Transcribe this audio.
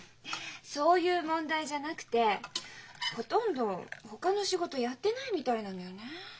そういう問題じゃなくてほとんどほかの仕事やってないみたいなのよねえ。